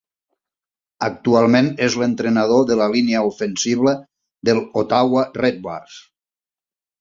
Actualment és l'entrenador de la línia ofensiva de l'Ottawa Redblacks.